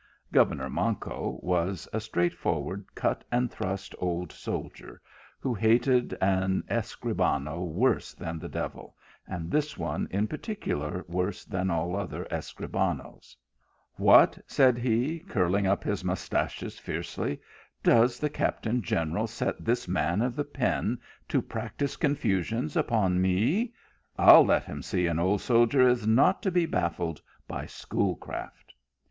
Governor Manco was a straight forward, cut and thrust old soldier, who hated an Escribano worse than the devil, and this one in particular, worse than all other Escribanoes. " What !" said he, curling up his mustachios fiercely, " does the captain general set his man of the pen to practise confusions upon me? I ll let him see that an old soldier is not to be baffled by schoolcraft."